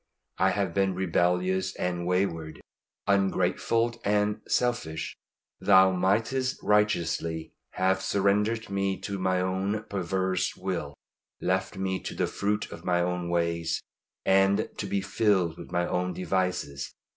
I have been rebellious and wayward, ungrateful and selfish. Thou mightest righteously have surrendered me to my own perverse will; left me to the fruit of my own ways, and to be filled with my own devices.